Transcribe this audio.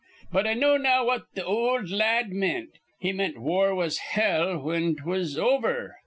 But I know now what th' ol' la ad meant. He meant war was hell whin 'twas over.